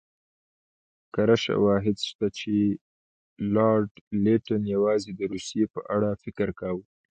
کره شواهد شته چې لارډ لیټن یوازې د روسیې په اړه فکر کاوه.